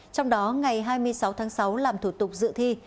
trong đó ngày hai mươi sáu tháng sáu làm thủ tục dự thi